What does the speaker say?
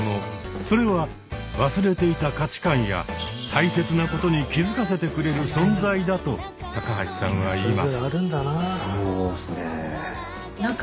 それは忘れていた価値観や大切なことに気づかせてくれる存在だと高橋さんは言います。